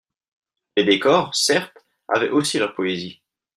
Les décors, certes, avaient aussi leur poésie.